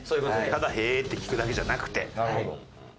ただへえって聞くだけじゃなくて。